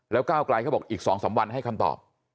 แล้วก้าวกลายก็บอกอีก๒๓วันให้คำตอบ